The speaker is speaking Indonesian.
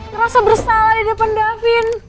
terasa bersalah di depan davin